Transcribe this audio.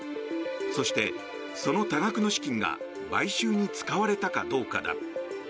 そして、その多額の資金が買収に使われたかどうかだ。